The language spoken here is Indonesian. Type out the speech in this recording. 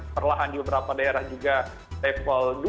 perlahan beberapa daerah juga level dua